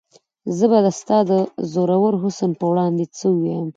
زه به د ستا د زورور حسن په وړاندې څه وم؟